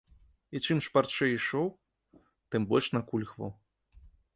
І чым шпарчэй ішоў, тым больш накульгваў.